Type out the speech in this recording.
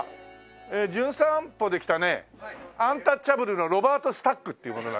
ええ『じゅん散歩』で来たね『アンタッチャブル』のロバート・スタックっていう者。